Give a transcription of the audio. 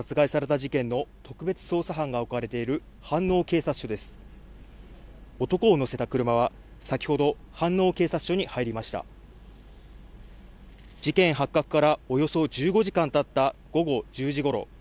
事件発覚からおよそ１５時間たった午後１０時ごろ。